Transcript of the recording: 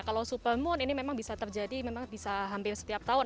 kalau supermoon ini memang bisa terjadi memang bisa hampir setiap tahun